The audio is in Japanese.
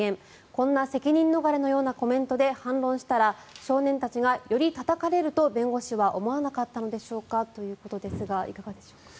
こんな責任逃れのようなコメントで反論したら少年たちがよりたたかれると弁護士は思わなかったのでしょうかということですがいかがでしょうか。